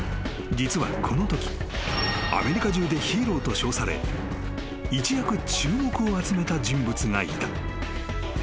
［実はこのときアメリカ中でヒーローと称され一躍注目を集めた人物がいた］